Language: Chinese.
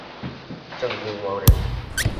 郑丁旺人。